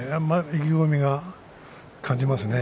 意気込みを感じますね。